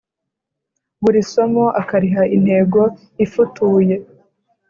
buri somo akariha intego ifutuye